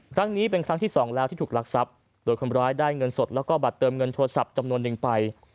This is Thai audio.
ครั้งนี้เป็นครั้งที่สองแล้วที่ถูกรักทรัพย์โดยคนร้ายได้เงินสดแล้วก็บัตรเติมเงินโทรศัพท์จำนวนหนึ่งไป